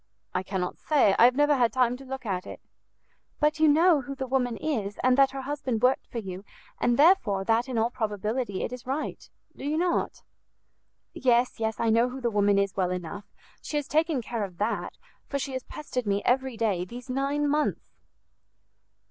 "I cannot say; I have never had time to look at it." "But you know who the woman is, and that her husband worked for you, and therefore that in all probability it is right, do you not?" "Yes, yes, I know who the woman is well enough; she has taken care of that, for she has pestered me every day these nine months."